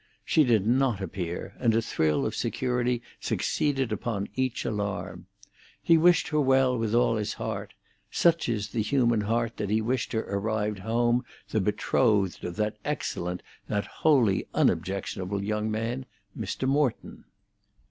She did not appear, and a thrill of security succeeded upon each alarm. He wished her well with all his heart; such is the human heart that he wished her arrived home the betrothed of that excellent, that wholly unobjectionable young man, Mr. Morton.